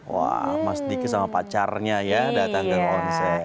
wah mas diki sama pacarnya ya datang ke onseng